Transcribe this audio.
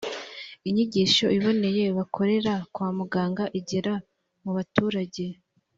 inyigisho iboneye bakorera kwa muganga igera mu baturage